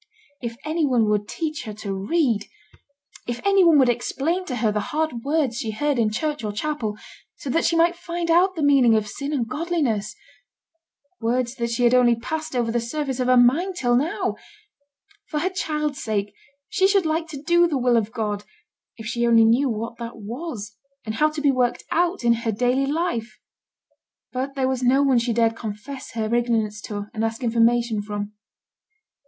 If any one would teach her to read! If any one would explain to her the hard words she heard in church or chapel, so that she might find out the meaning of sin and godliness! words that had only passed over the surface of her mind till now! For her child's sake she should like to do the will of God, if she only knew what that was, and how to be worked out in her daily life. But there was no one she dared confess her ignorance to and ask information from.